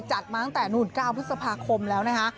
จัดมาตั้งแต่นู่น๙พฤษภาคมแล้วนะคะ